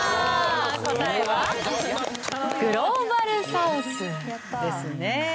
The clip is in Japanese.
答えはグローバルサウスですね。